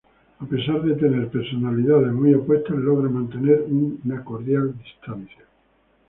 A pesar de tener personalidades muy opuestas logran mantener una cordial distancia.